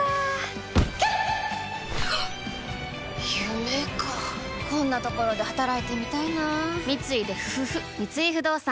夢かこんなところで働いてみたいな三井不動産